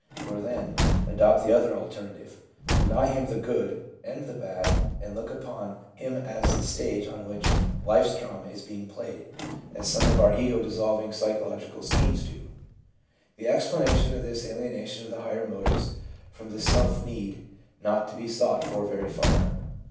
Or, then, adopt the other alternative : deny him the good and the bad and look upon him as the stage on which life's drama is being played, as some of our ego dissolving psychological schemes dof The explanation of this alienation of the higher motives from the self need not be sought for very far.